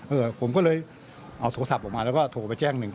เออผมก็เลยเอาโทรศัพท์ออกมาแล้วก็โทรไปแจ้งหนึ่ง